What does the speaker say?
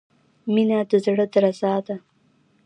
• مینه د زړۀ درزا ده.